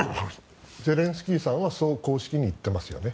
ゼレンスキーさんはそう公式に言ってますよね。